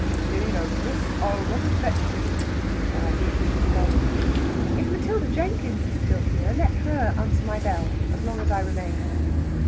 "Tilly knows, Miss. I'll run and fetch Tilly," cried the officious Bob. "If Matilda Jenkins is still here, let her answer my bell as long as I remain."